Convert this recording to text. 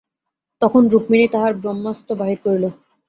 তখন রুক্মিণী তাহার ব্রহ্মাস্ত্র বাহির করিল।